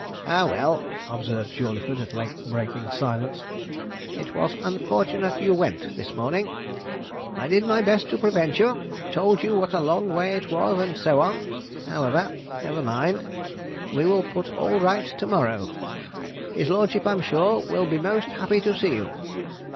'Ah, well,' observed Jawleyford, at length breaking silence, 'it was unfortunate you went this morning. I did my best to prevent you told you what a long way it was, and so on. However, never mind, we will put all right to morrow. His lordship, I'm sure, will be most happy to see you.